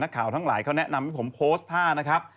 ข่าวทั้งหลายเขาแนะนำให้ผมโพสต์ท่านะครับ